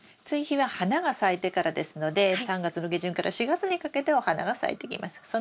追肥は花が咲いてからですので３月の下旬から４月にかけてお花が咲いてきます。